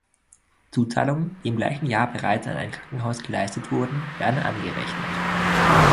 Zuzahlungen, die im gleichen Jahr bereits an ein Krankenhaus geleistet wurden, werden angerechnet.